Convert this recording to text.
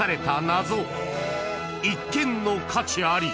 ［一見の価値あり］